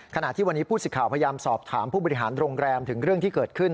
ขณะที่วันนี้ผู้สิทธิ์ข่าวพยายามสอบถามผู้บริหารโรงแรมถึงเรื่องที่เกิดขึ้น